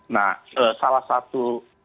nah salah satu